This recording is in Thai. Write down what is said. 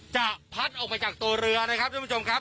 จะพัดออกมาจากตัวเรือนะครับท่านผู้ชมครับ